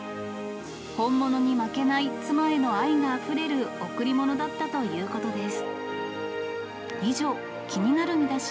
本物に負けない妻への愛があふれる贈り物だったということです。